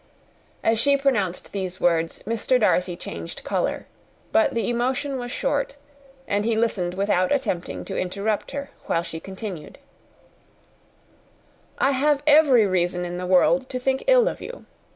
As she pronounced these words, Mr. Darcy changed colour; but the emotion was short, and he listened without attempting to interrupt her while she continued, "I have every reason in the world to think ill of you.